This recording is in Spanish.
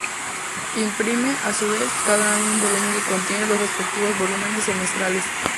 Imprime, a su vez, cada año un volumen que contiene los respectivos volúmenes semestrales.